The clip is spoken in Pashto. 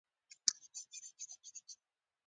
دا به کيږي اخر څه زما دلبره؟